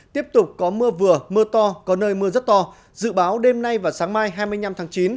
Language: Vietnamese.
tiếp tục có mưa vừa mưa to có nơi mưa rất to dự báo đêm nay và sáng mai hai mươi năm tháng chín